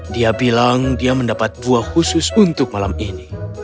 dia bilang dia mendapat buah khusus untuk malam ini